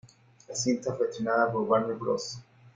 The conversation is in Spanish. La cinta fue estrenada por Warner Bros.